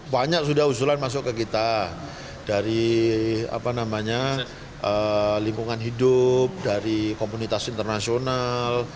banyak sudah usulan masuk ke kita dari lingkungan hidup dari komunitas internasional